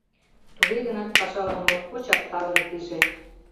Туге гынат пашалан моткочак талын пиже.